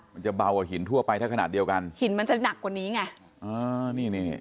มันจะเบากว่าหินทั่วไปถ้าขนาดเดียวกันหินมันจะหนักกว่านี้ไงอ่านี่นี่